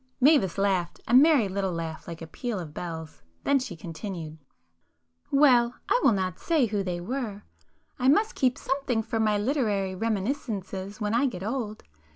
Mavis laughed—a merry little laugh like a peal of bells,—then she continued— "Well, I will not say who they were,—I must keep something for my 'literary reminiscences' when I get old!